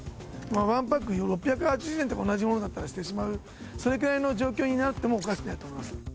１パック６８０円ぐらい、同じものだったらしてしまう、それくらいの状況になってもおかしくないと思います。